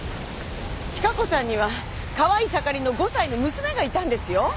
千加子さんには可愛い盛りの５歳の娘がいたんですよ。